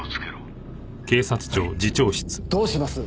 どうします